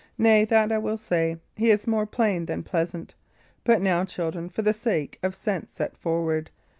Nay, that I will say: he is more plain than pleasant. But now, children, for the sake of sense, set forward.